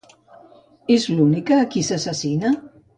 És l'única a qui assassina?